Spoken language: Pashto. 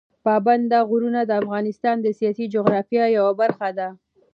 پابندي غرونه د افغانستان د سیاسي جغرافیه یوه برخه ده.